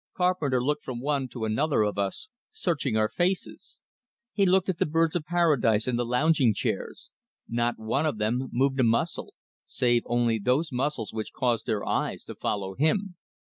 Carpenter looked from one to another of us, searching our faces. He looked at the birds of paradise in the lounging chairs. Not one of them moved a muscle save only those muscles which caused their eyes to follow him.